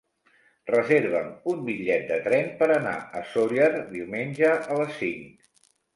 Reserva'm un bitllet de tren per anar a Sóller diumenge a les cinc.